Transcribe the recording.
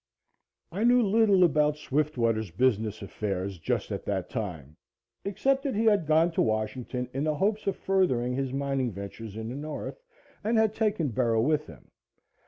I knew little about Swiftwater's business affairs just at that time except that he had gone to Washington in the hope of furthering his mining ventures in the North and had taken Bera with him.